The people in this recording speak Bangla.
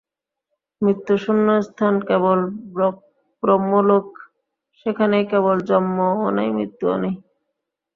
মৃত্যুশূন্য স্থান কেবল ব্রহ্মলোক, সেখানেই কেবল জন্মও নাই, মৃত্যুও নাই।